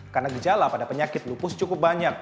karena gejala pada penyakit lupus cukup banyak